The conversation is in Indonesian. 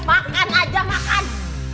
makan aja makan